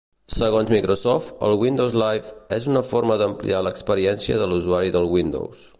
Segons Microsoft, el Windows Live "és una forma d'ampliar l'experiència de l'usuari del Windows".